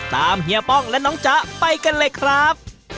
เฮียป้องและน้องจ๊ะไปกันเลยครับ